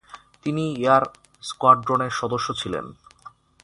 তিনি এয়ার স্কোয়াড্রনের সদস্য ছিলেন।